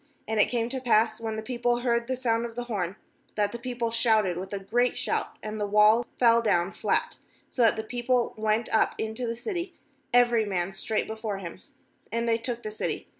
And it came to pass, when the people heard the sound of the horn, that the people shouted with a great shout, and the wall fell down flat, so that the people went up into the city, every nrm.n straight before him, and they took the city.